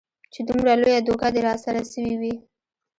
چې دومره لويه دوکه دې راسره سوې وي.